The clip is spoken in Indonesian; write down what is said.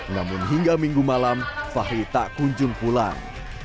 namun hingga minggu malam fahri tak kunjung pulang